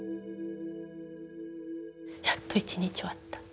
やっと１日終わった。